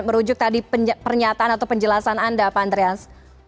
merujuk tadi pernyataan atau penjelasan anda pak andreas